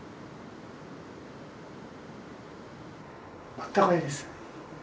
あったかいです。